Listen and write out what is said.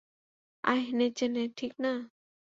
আয় নেচে নে, ঠিক না?